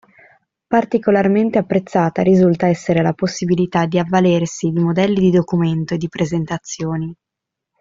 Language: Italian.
Particolarmente apprezzata risulta essere la possibilità di avvalersi di modelli di documento e di presentazioni.